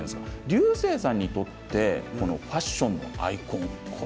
竜星さんにとってファッションのアイコン